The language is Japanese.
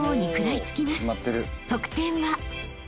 ［得点は？］